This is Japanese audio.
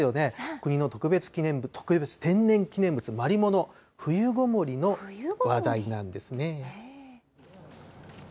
国の特別天然記念物、マリモの冬ごもりの話題なんですね。